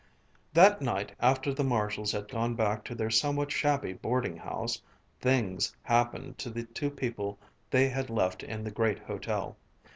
That night after the Marshalls had gone back to their somewhat shabby boarding house, "things" happened to the two people they had left in the great hotel.